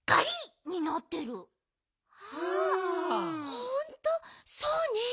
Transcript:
ほんとそうね。